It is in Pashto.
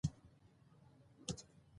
په پردیو هیلو مه اوسېږئ.